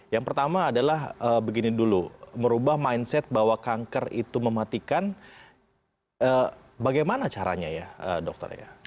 yang pertama adalah begini dulu merubah mindset bahwa kanker itu mematikan bagaimana caranya ya dokter ya